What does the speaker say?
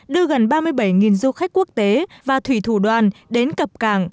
đưa gần ba mươi bảy du khách quốc tế và thủy thủ đoàn đến cập cảng